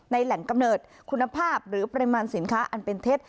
แหล่งกำเนิดคุณภาพหรือปริมาณสินค้าอันเป็นเท็จ